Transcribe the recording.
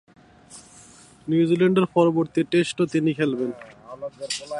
নিউজিল্যান্ডের পরবর্তী টেস্টেও তিনি খেলেন।